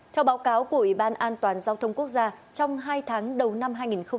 theo báo cáo của ủy ban an toàn giao thông quốc gia trong hai tháng đầu năm hai nghìn hai mươi